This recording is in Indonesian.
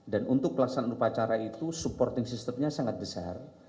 dan untuk pelaksanaan upacara itu supporting system nya sangat besar